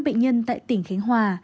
năm bệnh nhân tại tỉnh khánh hòa